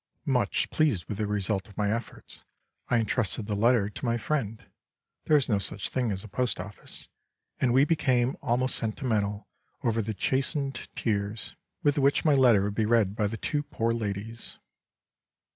Much pleased with the result of my efforts, I entrusted the letter to my friend (there was no such thing as a post office), and we became almost sentimental over the chastened tears with which my letter would be read by the two poor ladies.